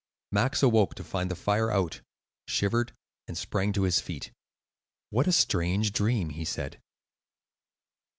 Max awoke to find the fire out; shivered, and sprang to his feet. "What a strange dream!" he said.